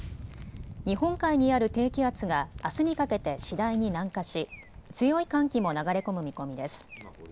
日本海にある低気圧があすにかけて次第に南下し強い寒気も流れ込む見込みです。